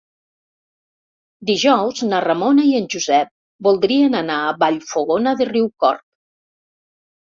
Dijous na Ramona i en Josep voldrien anar a Vallfogona de Riucorb.